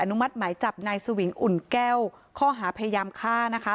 นุมัติหมายจับนายสวิงอุ่นแก้วข้อหาพยายามฆ่านะคะ